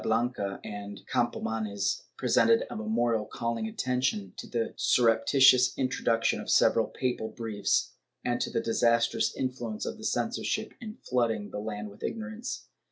I\ ] RESTRICTIONS 541 of Floridablanca and Campomanes presented a memorial calling attention to the surreptitious introduction of several papal briefs, and to the disastrous influence of the censorship in flooding the land with ignorance.